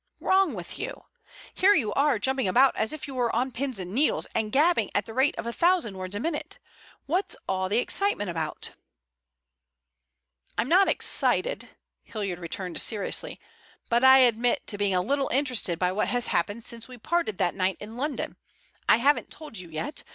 "Wrong with you. Here you are, jumping about as if you were on pins and needles and gabbling at the rate of a thousand words a minute. What's all the excitement about?" "I'm not excited," Hilliard returned seriously, "but I admit being a little interested by what has happened since we parted that night in London. I haven't told you yet.